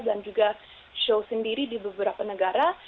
dan juga show sendiri di beberapa negara